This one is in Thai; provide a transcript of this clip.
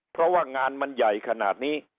เพราะว่างานมันใหญ่ขนาดนี้